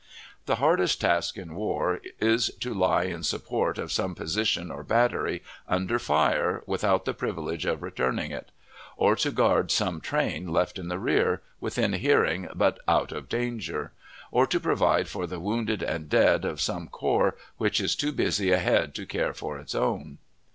The hardest task in war is to lie in support of some position or battery, under fire without the privilege of returning it; or to guard some train left in the rear, within hearing but out of danger; or to provide for the wounded and dead of some corps which is too busy ahead to care for its own.